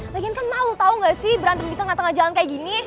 lagian kan malu tahu gak sih berantem di tengah tengah jalan kayak gini